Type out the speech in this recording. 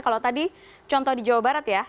kalau tadi contoh di jawa barat ya